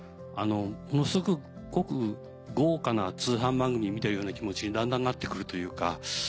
ものすごく豪華な通販番組を見てるような気持ちにだんだんなってくるというか。